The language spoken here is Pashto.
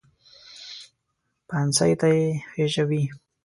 پانسۍ ته یې خېژاوې.